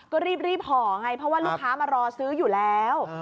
ก็รีบห่อไงเพราะว่าลูกค้ามารอซื้ออยู่แล้ว